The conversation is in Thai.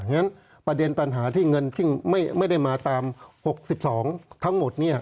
ฉะนั้นประเด็นปัญหาที่เงินซึ่งไม่ได้มาตาม๖๒ทั้งหมด